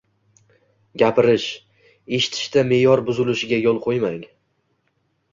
Gapirish, eshitishda me’yor buzilishiga yo‘l qo‘ymang.